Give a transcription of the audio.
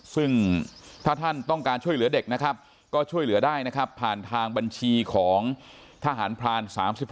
ซึ่งถ้าท่านต้องการช่วยเหลือเด็กก็ช่วยเหลือได้พลังทางบัญชีของทหารพราณ๓๖